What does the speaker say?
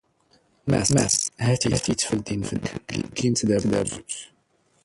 ⵎⴰⵙⵙ, ⵀⴰⵜ ⵉ ⵜⴼⵍⴷ ⵉⵏⴼⴷ ⵏⵏⴽ ⴳ ⵢⵉⴳⴳⵉ ⵏ ⵜⴷⴰⴱⵓⵜ.